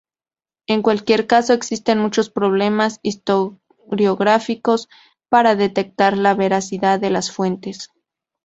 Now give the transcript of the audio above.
En cualquier caso existen muchos problemas historiográficos para detectar la veracidad de las fuentes.